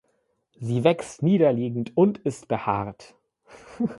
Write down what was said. Sie wächst niederliegend und ist behaart.